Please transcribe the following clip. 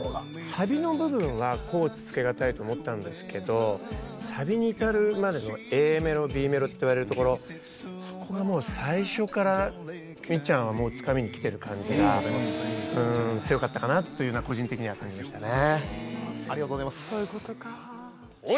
サビの部分は甲乙つけがたいと思ったんですけどサビにいたるまでのＡメロＢメロっていわれるところそこがもう最初からみっちゃんはもうつかみにきてる感じが強かったかなというような個人的には感じましたね